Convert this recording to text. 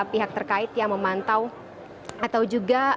pihak terkait yang memantau